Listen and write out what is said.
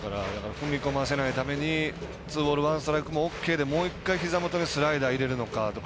踏み込ませないためにツーボール、ワンストライクもＯＫでもう１回ひざ元にスライダー入れるのかとか。